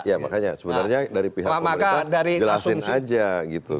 ya makanya sebenarnya dari pihak pemerintah jelasin aja gitu